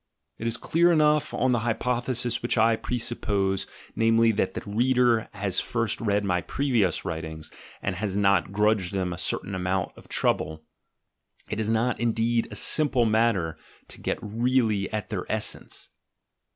It is clear enough, on the hypothesis which I presuppose, namely, that the reader has first read my previous writings and has not grudged them a certain amount of trouble: it is not, indeed, a simple matter to get really at their essence.